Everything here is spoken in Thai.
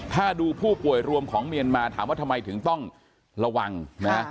ถ้าดูผู้ป่วยรวมของเมียนมาถามว่าทำไมถึงต้องระวังนะ